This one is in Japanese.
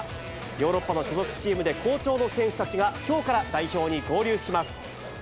ヨーロッパの所属チームで好調の選手たちが、きょうから代表に合流します。